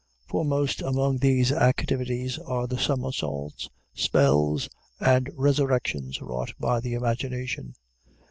Foremost among these activities are the summersaults, spells, and resurrections wrought by the imagination.